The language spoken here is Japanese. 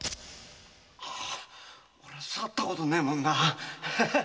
俺は触ったことねえもんな。